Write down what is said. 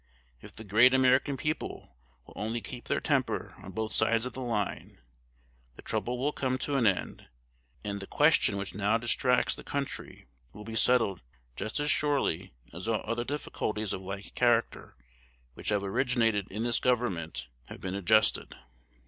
If the great American people will only keep their temper on both sides of the line, the trouble will come to an end, and the question which now distracts the country will be settled just as surely as all other difficulties of like character which have originated in this Government have been adjusted.